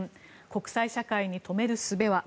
国際社会に止めるすべは。